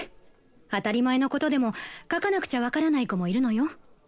当たり前の事でも書かなくちゃわからない子もいるのよ。